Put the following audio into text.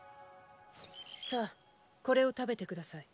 さあこれを食べて下さい。